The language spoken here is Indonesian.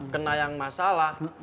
kena yang masalah